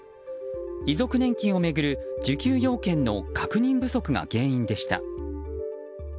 遺族年金を巡る受給要件の確認不足が原因でした。